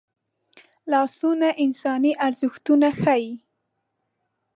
لاسونه انساني ارزښتونه ښيي